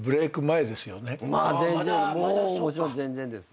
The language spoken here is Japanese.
全然もちろん全然です。